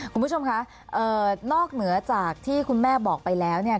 คุณผู้ชมคะนอกเหนือจากที่คุณแม่บอกไปแล้วเนี่ย